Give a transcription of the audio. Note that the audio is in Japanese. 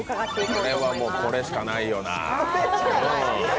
これは、もうこれしかないよな。